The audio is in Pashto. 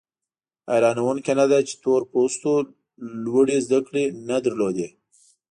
حیرانوونکي نه ده چې تور پوستو لوړې زده کړې نه درلودې.